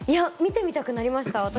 見てみたくなりました。